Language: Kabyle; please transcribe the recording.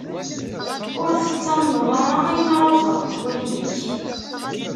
Ur tettamneḍ ara ayen ara ẓrent wallen-ik.